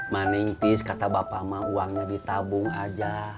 man ntis kata bapak mah uangnya ditabung aja